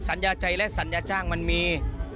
สัญญาใจและสัญญาจ้างมันมี